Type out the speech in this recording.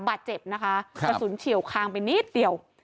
บาดเจ็บนะคะกระสุนเฉียวคางไปนิดเดียว